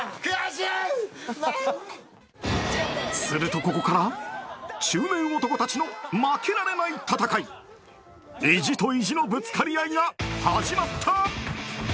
すると、ここから中年男たちの負けられない戦い意地と意地のぶつかり合いが始まった。